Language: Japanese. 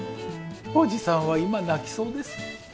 おじさんは今泣きそうです。